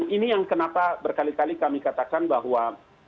ini yang kenapa berkali kali kami katakan bahwa